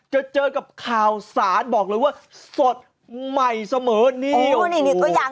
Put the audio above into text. จะเจอกับข่าวสารบอกเลยว่าสดใหม่เสมอนิ้ว